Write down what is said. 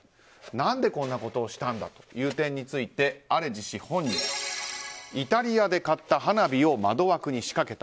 何でこんなことをしたんだという点についてアレジ氏本人イタリアで買った花火を窓枠に仕掛けた。